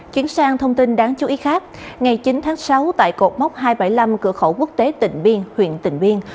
chú ý khác ngày chín tháng sáu tại cột mốc hai trăm bảy mươi năm cửa khẩu quốc tế tỉnh biên huyện tỉnh biên